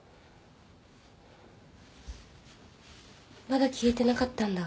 まだ消えてなかったんだ。